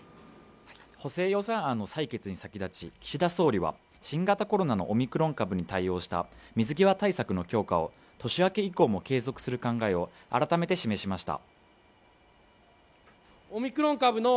補正予算案の採決に先立ち岸田総理は新型コロナのオミクロン株に対応した水際対策の強化を年明け以降も継続する考えを改めて示しました